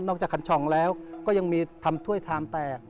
จากคันช่องแล้วก็ยังมีทำถ้วยทามแตก